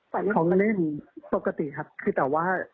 เขาเล่นปกติครับแต่ว่า